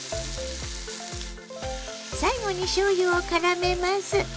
最後にしょうゆをからめます。